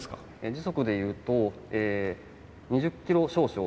時速で言うと２０キロ少々。